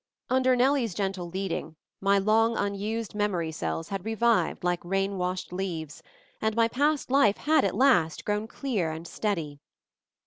Under Nellie's gentle leading, my long unused memory cells had revived like rain washed leaves, and my past life had, at last, grown clear and steady.